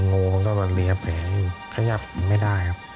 มีโงงก็เรียกแผ่ขยับไม่ได้ครับ